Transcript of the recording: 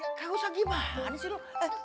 enggak usah gimana sih lo